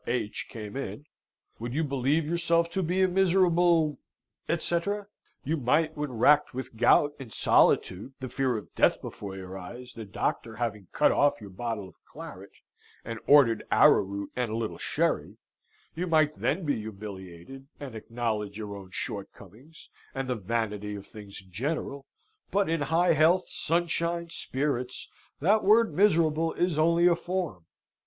H. came in, would you believe yourself to be a miserable, etc.? You might when racked with gout, in solitude, the fear of death before your eyes, the doctor having cut off your bottle of claret, and ordered arrowroot and a little sherry, you might then be humiliated, and acknowledge your own shortcomings, and the vanity of things in general; but, in high health, sunshine, spirits, that word miserable is only a form.